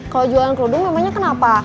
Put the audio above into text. kalau jualan kerudung memangnya kenapa